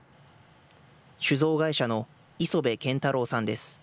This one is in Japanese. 酒造会社の磯部健太郎さんです。